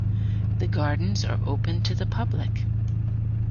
The gardens are open to the public.